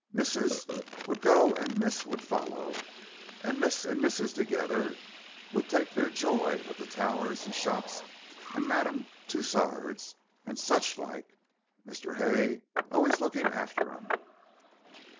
Missis would go and miss would foller, an' miss an' missus together would take their joy of the Towers an' shops and Madame Tusord's and sich like, Mr. Hay allays lookin' after 'em."